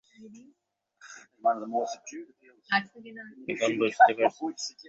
এখন বুঝতে পারছি।